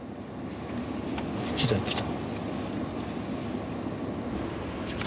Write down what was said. １台来た。